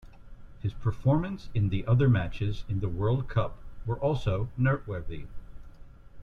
His performance in the other matches in the World Cup were also noteworthy.